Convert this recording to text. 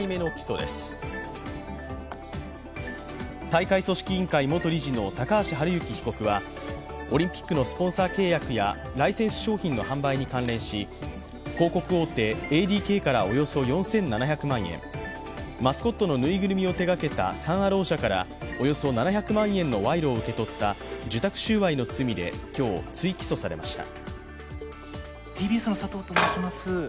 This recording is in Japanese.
大会組織委員会元理事の高橋治之被告はオリンピックのスポンサー契約やライセンス商品の販売に関連し広告大手ＡＤＫからおよそ４７００万円、マスコットのぬいぐるみを手がけたサン・アロー社からおよそ７００万円の賄賂を受け取った受託収賄の疑いで今日、追起訴されました。